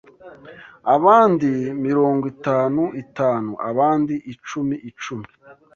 abandi mirongo itanu itanu, abandi icumi icumi